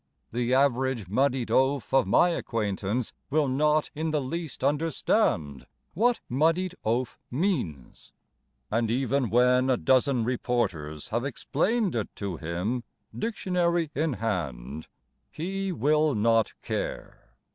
The average Muddied Oaf of my acquaintance Will not in the least understand What Muddied Oaf means, And even when a dozen reporters Have explained it to him, dictionary in hand, He will not care.